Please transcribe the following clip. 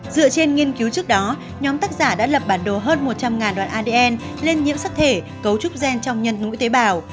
dựa trên nghiên cứu trước đó nhóm tác giả đã lập bản đồ hơn một trăm linh đoạn adn lên nhiễm sắc thể cấu trúc gen trong nhân mũi tế bào